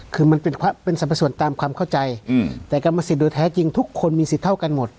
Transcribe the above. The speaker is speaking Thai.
คือมันเป็นสรรพส่วนตามความเข้าใจแต่กรรมสิทธิ์โดยแท้จริงทุกคนมีสิทธิ์เท่ากันหมด